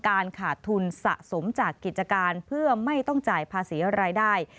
ขาดทุนสะสมจากกิจการเพื่อไม่ต้องจ่ายภาษีรายได้